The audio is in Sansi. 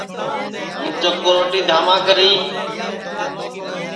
ہوں چکُو روٹی دھاما کری